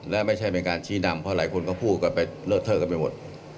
และไม่ใช่เป็นการชี้นำเพราะหลายคนก็พูดกันไปเลอะเทอะกันไปหมด